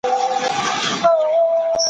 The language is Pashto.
د کمپیوټر ټولګي په څومره ښوونځیو کي فعال دي؟